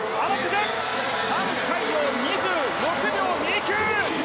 タン・カイヨウ、２６秒２９！